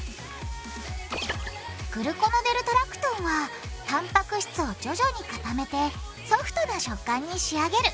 グルコノデルタラクトンはたんぱく質を徐々に固めてソフトな食感に仕上げる。